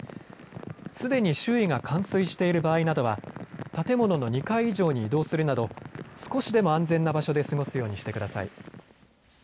すでに周囲が冠水している場合などは建物の２階以上に移動するなど少しでも安全な場所で過ごすようにしてください。